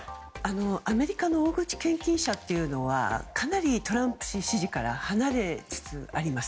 アメリカの大口献金者というのはかなりトランプ支持から離れつつあります。